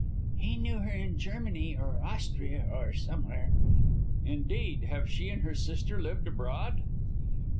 "He knew her in Germany, or Austria, or somewhere." "Indeed, have she and her sister lived abroad?"